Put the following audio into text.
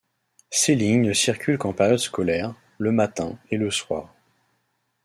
Ces lignes ne circulent qu'en période scolaire, le matin et le soir.